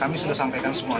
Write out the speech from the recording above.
kami sudah sampaikan semuanya